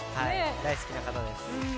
大好きな方です。